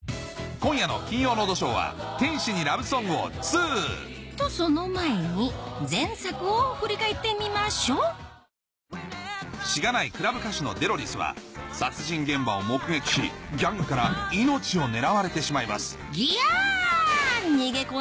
今夜の『金曜ロードショー』はとその前に前作を振り返ってみましょうしがないクラブ歌手のデロリスは殺人現場を目撃しギャングから命を狙われてしまいますギャ‼